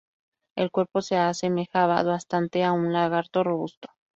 El cuerpo se asemejaba bastante a un lagarto robusto.